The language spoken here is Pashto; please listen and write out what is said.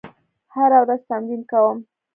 هره ورځ تمرین کوم.